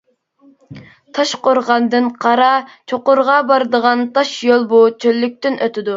تاشقورغاندىن قارا چوقۇرغا بارىدىغان تاشيول بۇ چۆللۈكتىن ئۆتىدۇ.